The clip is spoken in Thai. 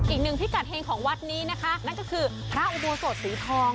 อีกหนึ่งพิกัดเฮงของวัดนี้นะคะนั่นก็คือพระอุโบสถสีทอง